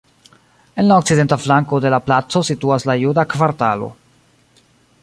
En la okcidenta flanko de la placo situas la juda kvartalo.